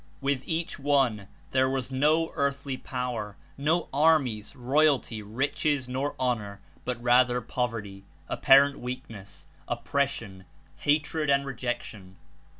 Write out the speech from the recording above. With each one there was no earthly power, no armies, royalty, riches nor honor, but rather poverty, apparent weak ness, oppression, hatred and rejection.